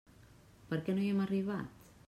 Per què no hi hem arribat?